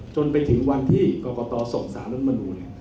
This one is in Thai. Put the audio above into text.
จนไปถึงวันที่กรกตส่งสารรัฐมนูล